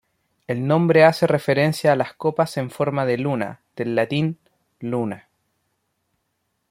El nombre hace referencia a las copas en forma de luna, del latín "luna".